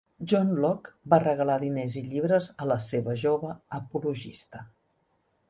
John Locke va regalar diners i llibres a la seva jove apologista.